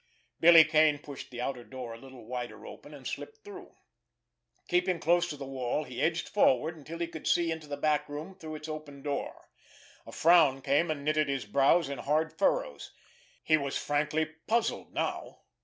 Billy Kane pushed the outer door a little wider open and slipped through. Keeping close to the wall, he edged forward until he could see into the back room through its open door. A frown came and knitted his brows in hard furrows. He was frankly puzzled now.